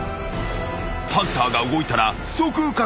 ［ハンターが動いたら即確保］